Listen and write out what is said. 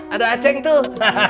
ada aceng tuh